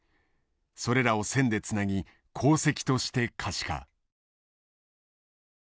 それらを線でつなぎ航跡として可視化。